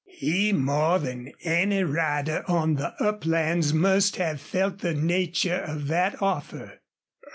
He more than any rider on the uplands must have felt the nature of that offer.